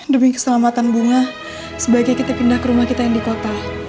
demi keselamatan bunga sebaiknya kita pindah ke rumah kita yang di kota